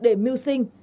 để mưu sinh